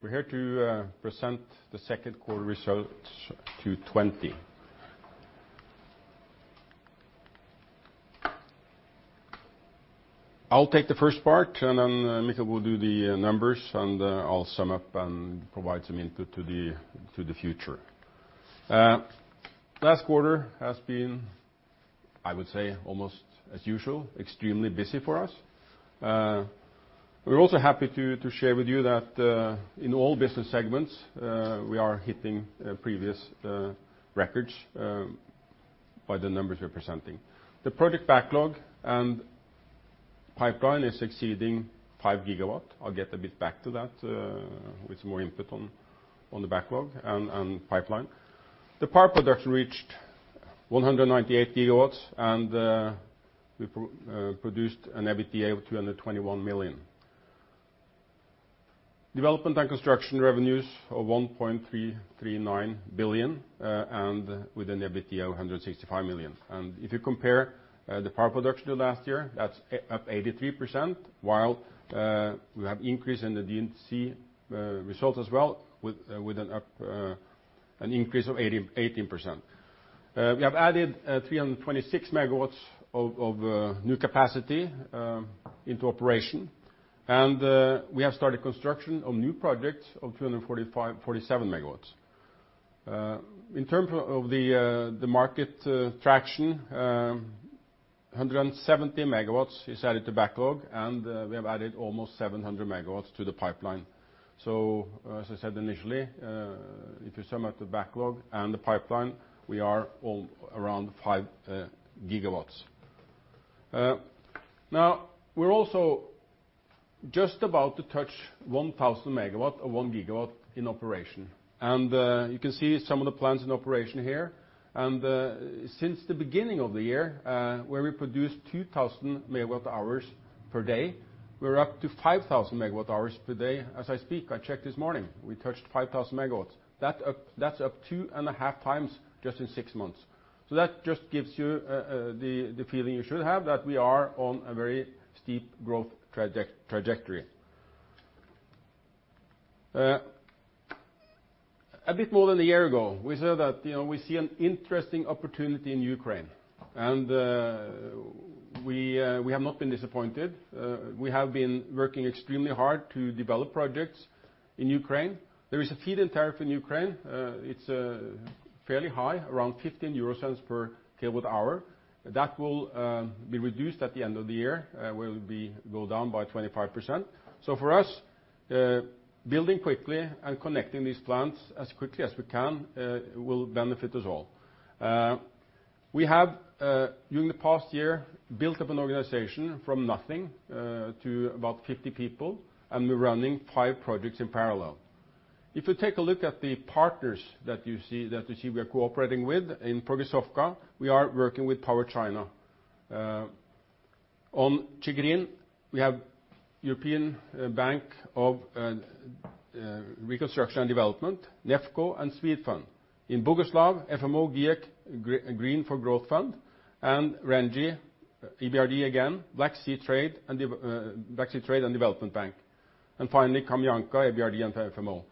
We're here to present the second quarter results Q2. I'll take the first part. Then Mikkel will do the numbers. I'll sum up and provide some input to the future. Last quarter has been, I would say, almost as usual, extremely busy for us. We're also happy to share with you that in all business segments we are hitting previous records by the numbers we're presenting. The project backlog and pipeline is exceeding 5 gigawatts. I'll get a bit back to that with more input on the backlog and pipeline. The power production reached 198 gigawatt hours. We produced an EBITDA of 221 million. Development and construction revenues of 1.339 billion, with an EBITDA of 165 million. If you compare the power production to last year, that's up 83%, while we have increase in the D&C result as well with an increase of 18%. We have added 326 megawatts of new capacity into operation. We have started construction on new projects of 247 megawatts. In terms of the market traction, 170 megawatts is added to backlog. We have added almost 700 megawatts to the pipeline. As I said initially, if you sum up the backlog and the pipeline, we are around 5 gigawatts. We're also just about to touch 1,000 megawatts or 1 gigawatt in operation. You can see some of the plans in operation here. Since the beginning of the year, where we produced 2,000 megawatt hours per day, we're up to 5,000 megawatt hours per day as I speak. I checked this morning, we touched 5,000 megawatts. That's up 2 and a half times just in 6 months. That just gives you the feeling you should have that we are on a very steep growth trajectory. A bit more than a year ago, we said that we see an interesting opportunity in Ukraine. We have not been disappointed. We have been working extremely hard to develop projects in Ukraine. There is a feed-in tariff in Ukraine. It's fairly high, around 0.15 per kilowatt hour. That will be reduced at the end of the year, will go down by 25%. For us, building quickly and connecting these plants as quickly as we can will benefit us all. We have, during the past year, built up an organization from nothing to about 50 people. We're running 5 projects in parallel. If you take a look at the partners that you see we are cooperating with in Progressovka, we are working with PowerChina. On Chigirin, we have European Bank for Reconstruction and Development, Nefco, and Swedfund. In Boguslav, FMO, GIEK, Green for Growth Fund, Rengy, EBRD again, Black Sea Trade and Development Bank. Finally, Kamianka, EBRD and FMO.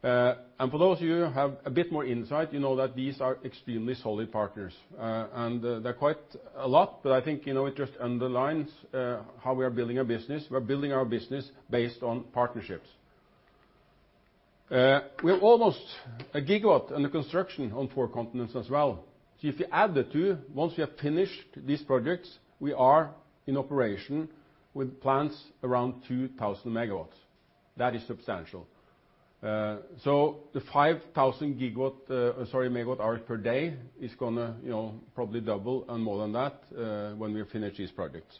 For those of you who have a bit more insight, you know that these are extremely solid partners. They're quite a lot, but I think it just underlines how we are building a business. We are building our business based on partnerships. We are almost 1 gigawatt under construction on 4 continents as well. If you add the 2, once we have finished these projects, we are in operation with plants around 2,000 megawatts. That is substantial. The 5,000 megawatt hours per day is going to probably double and more than that when we finish these projects.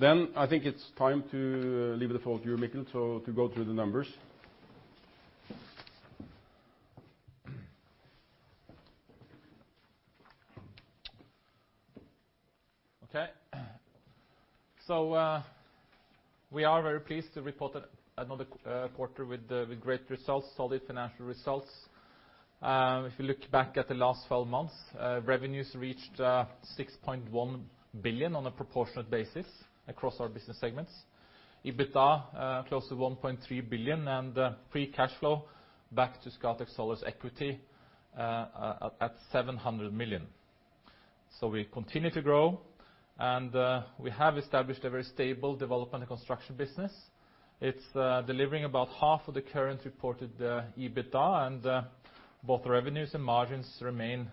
I think it's time to leave the floor to you, Mikkel, to go through the numbers. We are very pleased to report another quarter with great results, solid financial results. If you look back at the last 12 months, revenues reached 6.1 billion on a proportionate basis across our business segments. EBITDA, close to 1.3 billion, and free cash flow back to Scatec Solar's equity at 700 million. We continue to grow, and we have established a very stable development and construction business. It's delivering about half of the current reported EBITDA, both revenues and margins remain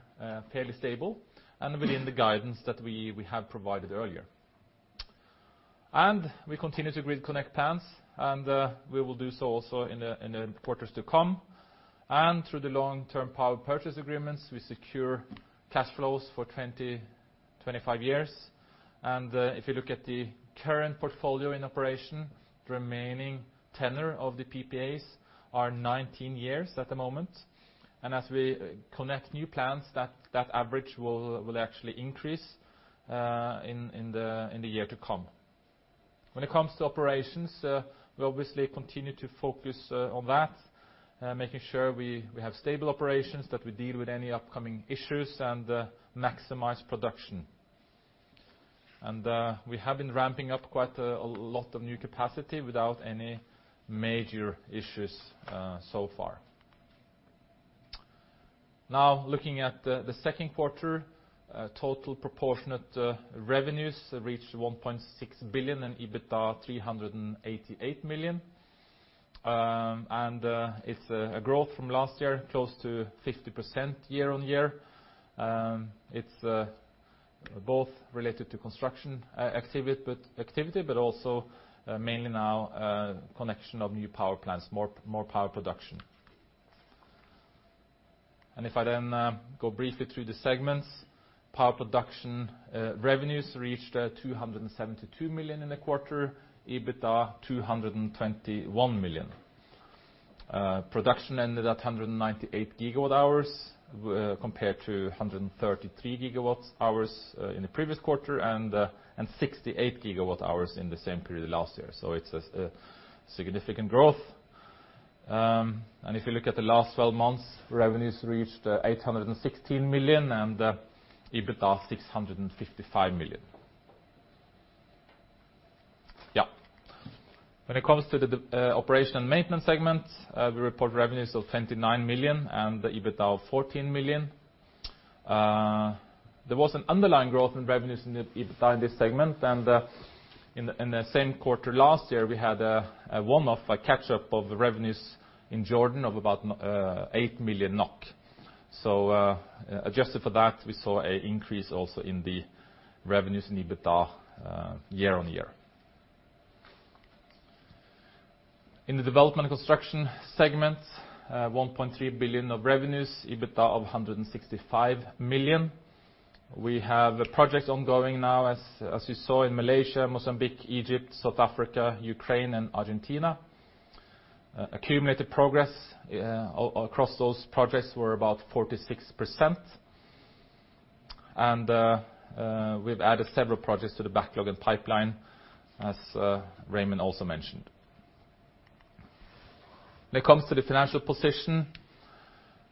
fairly stable and within the guidance that we have provided earlier. We continue to grid connect plants, and we will do so also in the quarters to come. Through the long-term power purchase agreements, we secure cash flows for 20, 25 years. If you look at the current portfolio in operation, the remaining tenor of the PPAs are 19 years at the moment. As we connect new plants, that average will actually increase in the year to come. When it comes to operations, we obviously continue to focus on that, making sure we have stable operations, that we deal with any upcoming issues and maximize production. And we have been ramping up quite a lot of new capacity without any major issues so far. Now looking at the second quarter, total proportionate revenues reached 1.6 billion and EBITDA 388 million. It's a growth from last year, close to 50% year-on-year. It's both related to construction activity, but also mainly now connection of new power plants, more power production. If I then go briefly through the segments, power production revenues reached 272 million in the quarter, EBITDA 221 million. Production ended at 198 gigawatt hours, compared to 133 gigawatts hours in the previous quarter and 68 gigawatt hours in the same period last year. It's a significant growth. If you look at the last 12 months, revenues reached 816 million and EBITDA 655 million. When it comes to the operation and maintenance segment, we report revenues of 29 million and EBITDA of 14 million. There was an underlying growth in revenues in the EBITDA in this segment. In the same quarter last year, we had a one-off, a catch-up of the revenues in Jordan of about 8 million NOK. Adjusted for that, we saw an increase also in the revenues and EBITDA, year-on-year. In the development and construction segment, 1.3 billion of revenues, EBITDA of 165 million. We have a project ongoing now, as you saw in Malaysia, Mozambique, Egypt, South Africa, Ukraine, and Argentina. Accumulated progress across those projects were about 46%. We've added several projects to the backlog and pipeline, as Raymond also mentioned. When it comes to the financial position,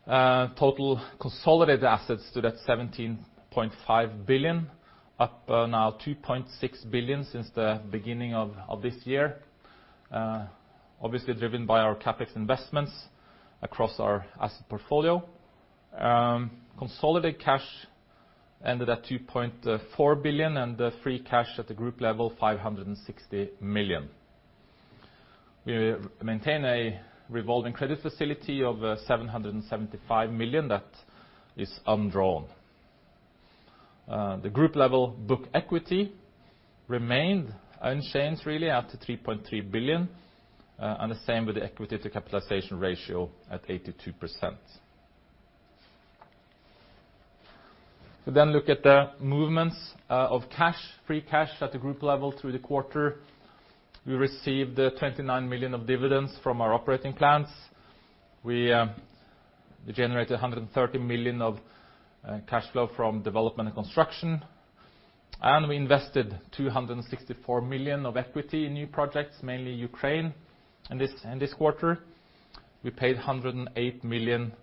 total consolidated assets stood at 17.5 billion, up by now 2.6 billion since the beginning of this year. Obviously driven by our CapEx investments across our asset portfolio. Consolidated cash ended at 2.4 billion, and free cash at the group level, 560 million. We maintain a revolving credit facility of 775 million that is undrawn. The group level book equity remained unchanged really at 3.3 billion, and the same with the equity to capitalization ratio at 82%. Look at the movements of cash, free cash at the group level through the quarter. We received 29 million of dividends from our operating plans. We generated 130 million of cash flow from development and construction, and we invested 264 million of equity in new projects, mainly Ukraine, in this quarter. We paid 108 million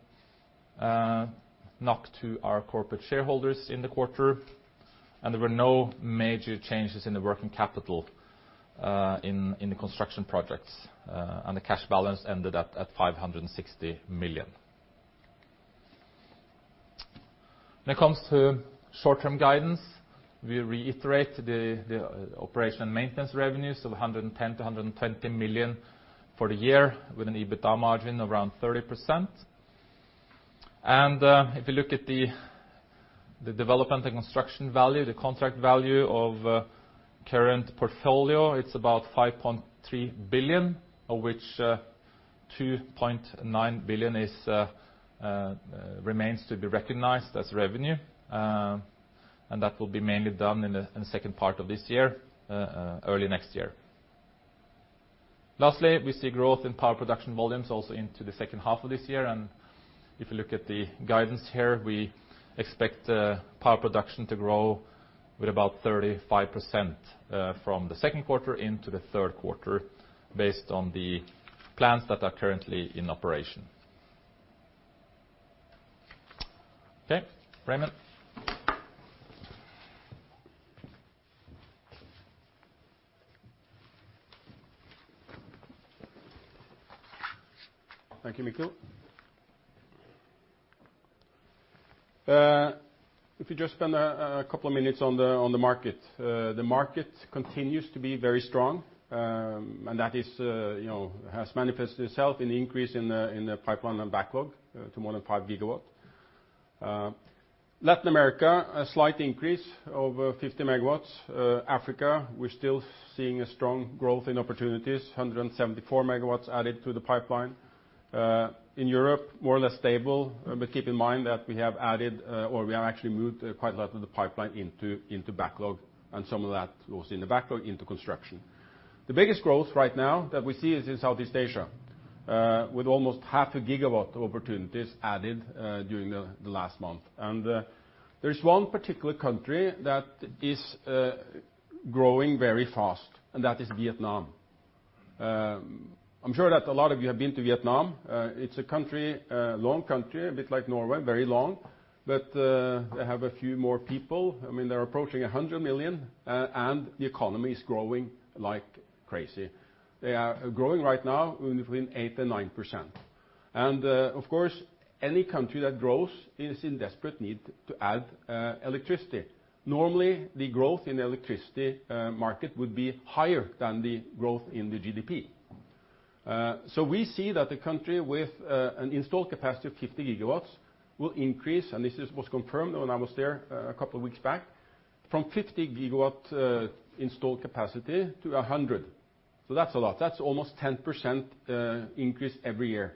NOK to our corporate shareholders in the quarter, and there were no major changes in the working capital in the construction projects. The cash balance ended up at 560 million. When it comes to short-term guidance, we reiterate the operation and maintenance revenues of 110 million-120 million for the year with an EBITDA margin around 30%. If you look at the development and construction value, the contract value of current portfolio, it's about 5.3 billion, of which 2.9 billion remains to be recognized as revenue. That will be mainly done in the second part of this year, early next year. Lastly, we see growth in power production volumes also into the second half of this year. If you look at the guidance here, we expect power production to grow with about 35% from the second quarter into the third quarter based on the plans that are currently in operation. Okay. Raymond. Thank you, Mikkel. If we just spend a couple of minutes on the market. The market continues to be very strong, and that has manifested itself in the increase in the pipeline and backlog to more than 5 gigawatts. Latin America, a slight increase of 50 MW. Africa, we're still seeing a strong growth in opportunities, 174 MW added to the pipeline. In Europe, more or less stable, but keep in mind that we have added, or we have actually moved quite a lot of the pipeline into backlog, and some of that was in the backlog into construction. The biggest growth right now that we see is in Southeast Asia, with almost half a gigawatt of opportunities added during the last month. There's one particular country that is growing very fast, and that is Vietnam. I'm sure that a lot of you have been to Vietnam. It's a long country, a bit like Norway, very long. They have a few more people. They're approaching 100 million, and the economy is growing like crazy. They are growing right now between 8% and 9%. Of course, any country that grows is in desperate need to add electricity. Normally, the growth in the electricity market would be higher than the growth in the GDP. We see that the country with an installed capacity of 50 gigawatts will increase, and this was confirmed when I was there a couple of weeks back, from 50 gigawatt installed capacity to 100. That's a lot. That's almost 10% increase every year.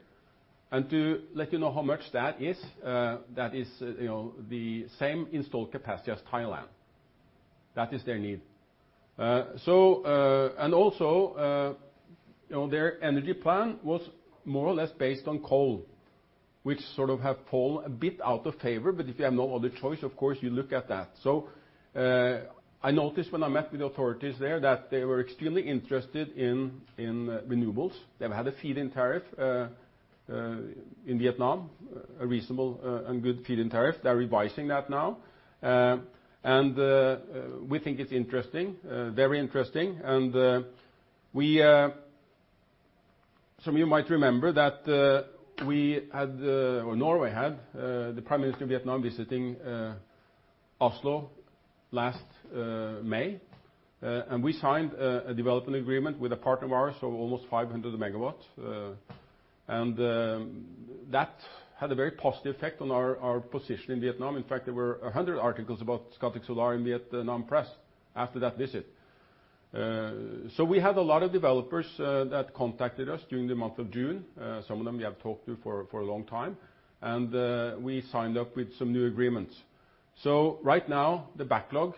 To let you know how much that is, that is the same installed capacity as Thailand. That is their need. Also their energy plan was more or less based on coal, which sort of have fallen a bit out of favor, but if you have no other choice, of course, you look at that. I noticed when I met with the authorities there that they were extremely interested in renewables. They've had a feed-in tariff in Vietnam, a reasonable and good feed-in tariff. They're revising that now. We think it's very interesting, and some of you might remember that Norway had the Prime Minister of Vietnam visiting Oslo last May, and we signed a development agreement with a partner of ours of almost 500 megawatts. That had a very positive effect on our position in Vietnam. In fact, there were 100 articles about Scatec Solar in Vietnam press after that visit. We had a lot of developers that contacted us during the month of June. Some of them we have talked to for a long time. We signed up with some new agreements. Right now, the backlog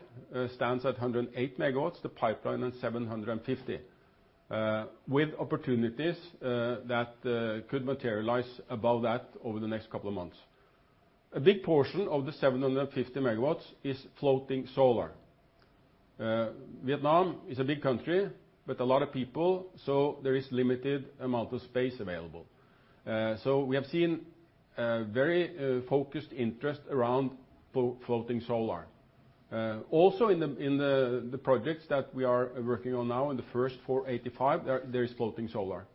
stands at 108 megawatts, the pipeline at 750, with opportunities that could materialize above that over the next couple of months. A big portion of the 750 megawatts is floating solar. Vietnam is a big country with a lot of people, so there is limited amount of space available. We have seen very focused interest around floating solar. Also in the projects that we are working on now in the first 485, there is floating solar.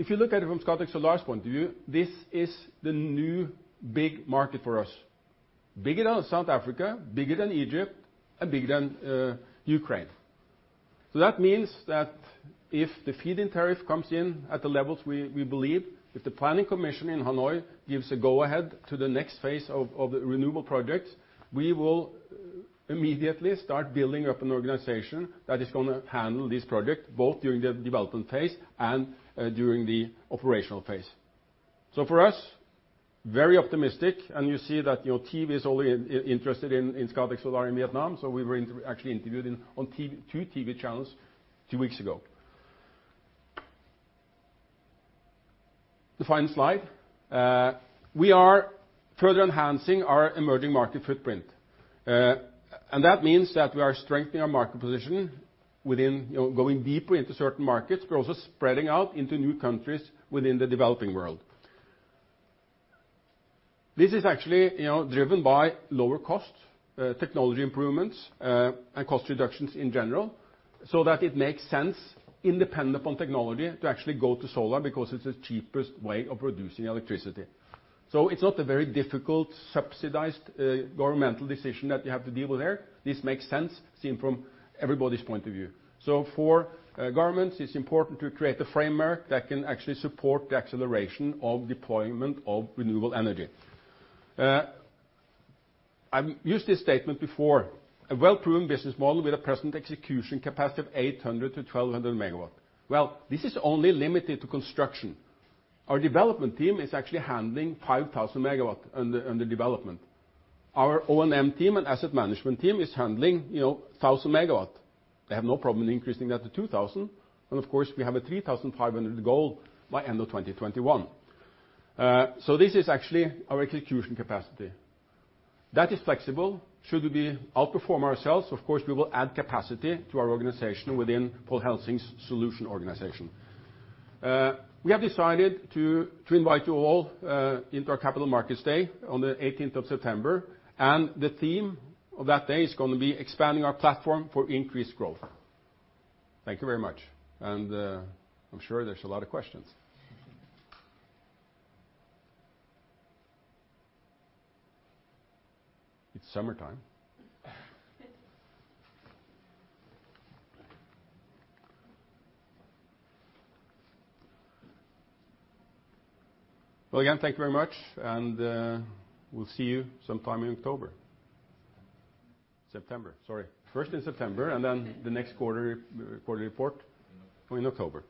If you look at it from Scatec Solar's point of view, this is the new big market for us, bigger than South Africa, bigger than Egypt, and bigger than Ukraine. That means that if the feed-in tariff comes in at the levels we believe, if the planning commission in Hanoi gives a go-ahead to the next phase of the renewable projects, we will immediately start building up an organization that is going to handle this project, both during the development phase and during the operational phase. For us, very optimistic, and you see that TV is only interested in Scatec Solar in Vietnam, we were actually interviewed on two TV channels two weeks ago. The final slide. We are further enhancing our emerging market footprint. That means that we are strengthening our market position within going deeper into certain markets. We're also spreading out into new countries within the developing world. This is actually driven by lower cost technology improvements, and cost reductions in general, so that it makes sense independent on technology to actually go to solar because it's the cheapest way of producing electricity. It's not a very difficult subsidized governmental decision that you have to deal with there. This makes sense seen from everybody's point of view. For governments, it's important to create a framework that can actually support the acceleration of deployment of renewable energy. I've used this statement before, a well-proven business model with a present execution capacity of 800-1,200 MW. Well, this is only limited to construction. Our development team is actually handling 5,000 MW under development. Our O&M team and asset management team is handling 1,000 MW. They have no problem in increasing that to 2,000 MW. Of course, we have a 3,500 MW goal by end of 2021. This is actually our execution capacity. That is flexible. Should we outperform ourselves, of course, we will add capacity to our organization within Pål Helsing's solution organization. We have decided to invite you all into our Capital Markets Update on the 18th of September. The theme of that day is going to be expanding our platform for increased growth. Thank you very much. I'm sure there's a lot of questions. It's summertime. Well, again, thank you very much, and we'll see you sometime in October. September, sorry. First in September, and then the next quarter report in October.